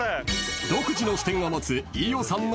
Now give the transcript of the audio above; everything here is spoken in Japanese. ［独自の視点を持つ］